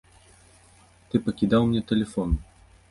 Ты пакідаў мне тэлефон.